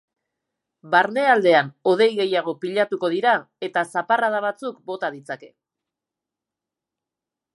Barnealdean hodei gehiago pilatuko dira eta zaparrada batzuk bota ditzake.